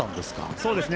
そうですね。